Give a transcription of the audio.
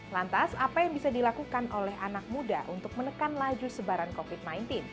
lantas apa yang bisa dilakukan oleh anak muda untuk menekan laju sebaran covid sembilan belas